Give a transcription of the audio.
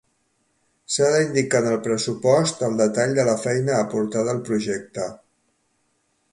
S'ha d'indicar en el pressupost el detall de la feina aportada al projecte.